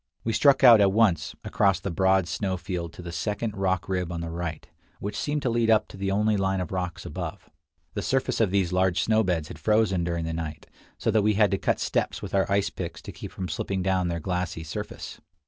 We struck out at once across the broad snow field to the second rock rib on the right, which seemed to lead up to the only line of rocks above. The surface of these large snow beds had frozen during the night, so that we had to cut steps with our ice picks to keep from slipping down their glassy surface.